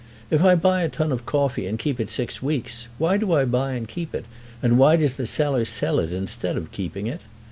"If I buy a ton of coffee and keep it six weeks, why do I buy it and keep it, and why does the seller sell it instead of keeping it?